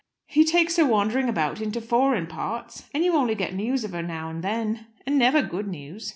He takes her wandering about into foreign parts, and you only get news of her now and then, and never good news.